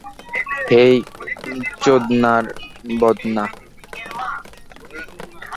হেই, চোদনার বদনা।